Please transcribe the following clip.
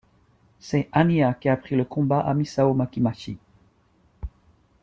C'est Hannya qui a appris le combat à Misao Makimachi.